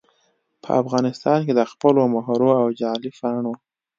په افغانستان کې دخپلو مهرو او جعلي پاڼو